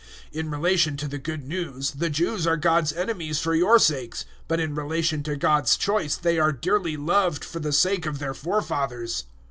011:028 In relation to the Good News, the Jews are God's enemies for your sakes; but in relation to God's choice they are dearly loved for the sake of their forefathers.